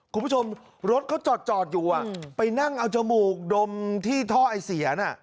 คุณผู้ชมรถเขาจอดอยู่ไปนั่งเอาจมูกดมที่ท่อไอเสียน่ะ